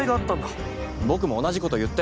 僕も同じこと言ったよ。